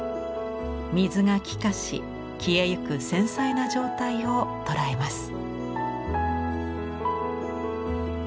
水が気化し消えゆく繊細な状態を捉えます。